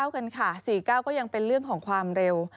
กันค่ะ๔๙ก็ยังเป็นเรื่องของความเร็ว